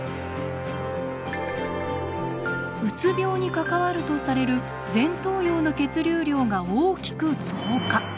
うつ病に関わるとされる前頭葉の血流量が大きく増加。